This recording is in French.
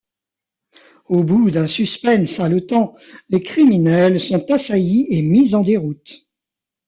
Au bout d'un suspense haletant, les criminels sont assaillis et mis en déroute.